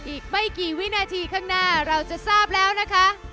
อีกไม่กี่วินาทีข้างหน้าเราจะทราบแล้วนะคะ